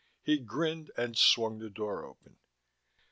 He grinned and swung the door open.